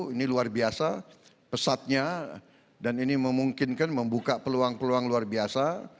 ini luar biasa pesatnya dan ini memungkinkan membuka peluang peluang luar biasa